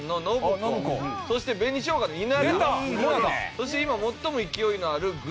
そして今最も勢いのあるグラドル